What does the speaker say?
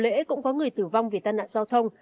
năm nào lễ cũng có người tử vong vì tàn nạn giao thông